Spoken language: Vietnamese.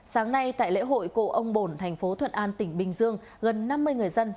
sáng nay tại lễ hội cộ ông bồn tp thuận an tỉnh bình dương gần năm mươi người dân